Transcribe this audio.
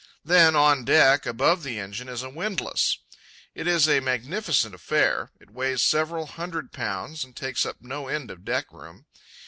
Then, on deck, above the engine, is a windlass. It is a magnificent affair. It weighs several hundred pounds and takes up no end of deck room.